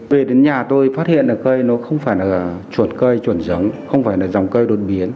về đến nhà tôi phát hiện là cây nó không phải là chuột cây chuẩn giống không phải là dòng cây đột biến